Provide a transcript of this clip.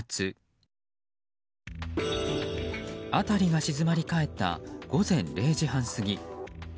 辺りが静まり返った午前０時半過ぎ。